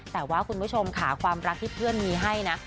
แต่ว่าคุณผู้ชมค่ะความรักที่เพื่อนมีให้นะ